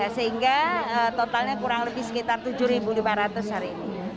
sehingga totalnya kurang lebih sekitar tujuh lima ratus hari ini